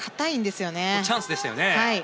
チャンスでしたよね。